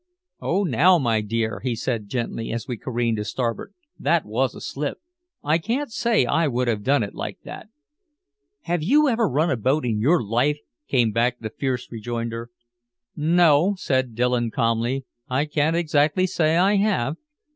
"Oh, now, my dear," he said gently, as we careened to starboard, "that was a slip. I can't say I would have done it like that." "Have you ever run a boat in your life?" came back the fierce rejoinder. "No," said Dillon calmly, "I can't exactly say I have.